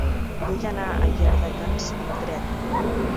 Vull anar a Llardecans amb tren.